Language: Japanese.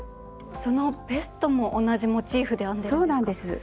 そのベストも同じモチーフで編んでるんですか？